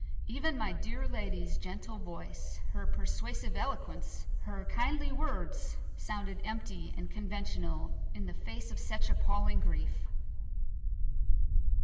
Even my dear lady's gentle voice, her persuasive eloquence, her kindly words, sounded empty and conventional in the face of such appalling grief.